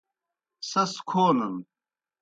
سیْس کھونَن۔